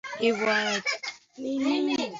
hivyo hayapokei hewa yenye unyevunyevu kutoka bahari